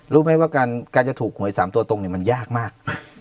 รู้ไหมว่าการจะถูกหัวไอ้สามตัวตรงเนี่ยมันยากมาก